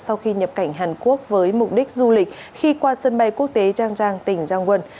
sau khi nhập cảnh hàn quốc với mục đích du lịch khi qua sân bay quốc tế giang giang tỉnh giang quân